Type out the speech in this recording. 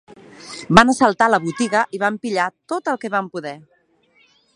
Van assaltar la botiga i van pillar tot el que van poder.